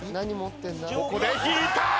ここで引いた！